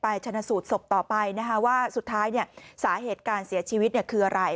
ชนะสูตรศพต่อไปนะคะว่าสุดท้ายสาเหตุการเสียชีวิตคืออะไร